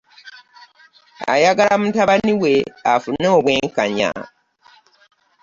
Ayagala mutabani we afune obwenkanya.